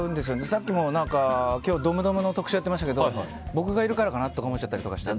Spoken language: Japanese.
さっきも今日、ドムドムの特集をやっていましたけど僕がいるからかなと思っちゃったりして。